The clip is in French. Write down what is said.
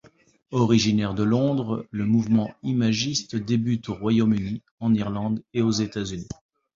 Originaire de Londres, le mouvement imagiste débute au Royaume-Uni, en Irlande et aux États-Unis.